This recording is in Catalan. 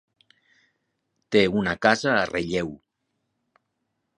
Té una casa a Relleu.